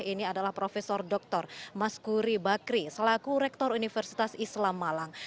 ini adalah prof dr maskuri bakri selaku rektor universitas islam malang